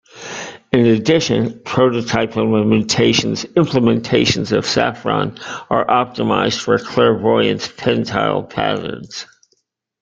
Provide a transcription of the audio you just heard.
In addition, prototype implementations of Saffron are optimized for Clairvoyante's PenTile patterns.